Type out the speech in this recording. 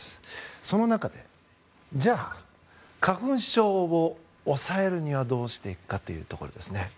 その中でじゃあ、花粉症を抑えるにはどうしていくかというところですね。